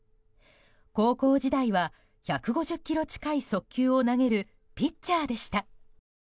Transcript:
高校時代は１５０キロ近い速球を投げるピッチャーでした。